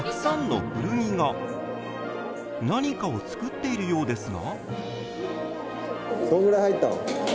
何かを作っているようですが。